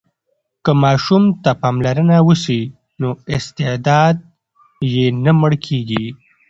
که ماشوم ته پاملرنه وسي نو استعداد یې نه مړ کېږي.